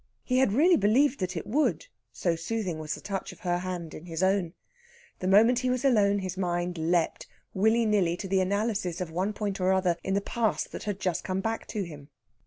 He had really believed that it would, so soothing was the touch of her hand in his own. The moment he was alone his mind leapt, willy nilly, to the analysis of one point or other in the past that had just come back to him.